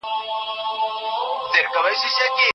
پخوانیو سوداګرو ولې افغاني غالۍ نورو ځایونو ته وړلې؟